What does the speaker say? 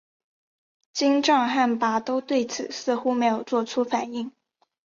金帐汗拔都对此似乎没有作出反应。